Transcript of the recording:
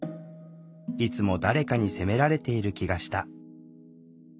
いつも誰かに責められている気がした。